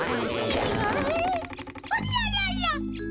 ありゃりゃりゃ。